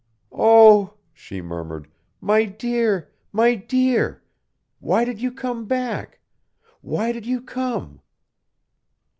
"Oh!" she murmured, "my dear, my dear! Why did you come back? Why did you come?"